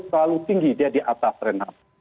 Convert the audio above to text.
selalu tinggi dia di atas renang